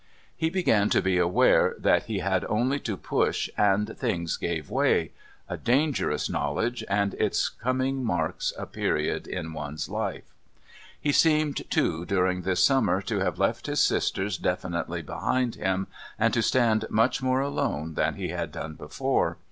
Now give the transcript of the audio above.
He began to be aware that he had only to push and things gave way a dangerous knowledge, and its coming marks a period in one's life. He seemed, too, during this summer, to have left his sisters definitely behind him and to stand much more alone than he had done before.